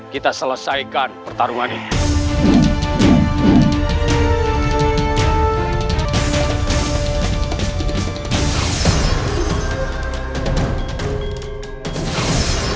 kita selesaikan pertarungan ini